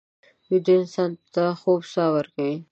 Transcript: ویده انسان ته خوب ساه ورکوي